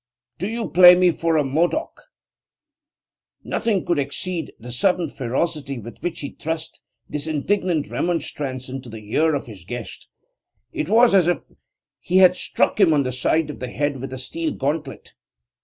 'Do you play me for a Modoc?' Nothing could exceed the sudden ferocity with which he thrust this indignant remonstrance into the ear of his guest. It was as if he had struck him on the side of the head with a steel gauntlet.